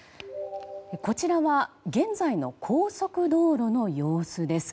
こちらは現在の高速道路の様子です。